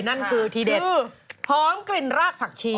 นั่นคือทีเด็ดคือหอมกลิ่นรากผักชี